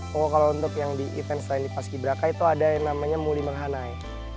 pokok kalau untuk yang di event selain paskibraka itu ada yang namanya muli menghanai